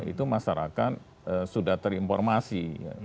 itu masyarakat sudah terinformasi